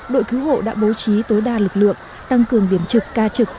đội cứu hộ đã bố trí tối đa lực lượng tăng cường điểm trực ca trực